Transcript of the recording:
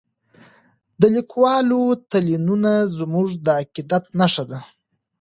د لیکوالو تلینونه زموږ د عقیدت نښه ده.